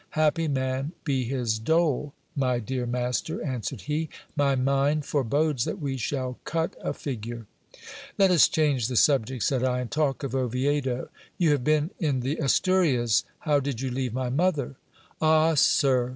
Happy man be his dole, my dear master, answered he : my mind forebodes that we shall cut a figure. Let us change the subject, said I, and talk of Oviedo. You have been in the Asturias. How did you leave my mother ? Ah, sir